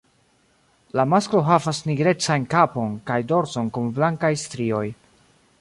La masklo havas nigrecajn kapon kaj dorson kun blankaj strioj.